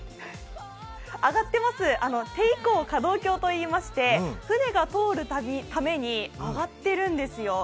上がってます、可動橋と言いまして、船が通るために上がっているんですよ。